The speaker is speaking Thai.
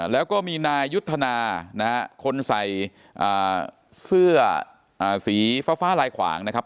แล้วก็มีนายยุทธนานะฮะคนใส่เสื้อสีฟ้าลายขวางนะครับ